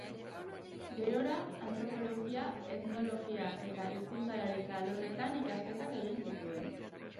Gerora, antropologia, etnologia eta hizkuntzalaritza alorretan ikasketak egin zituen.